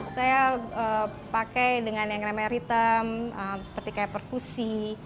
saya pakai dengan yang krimer hitam seperti perkusi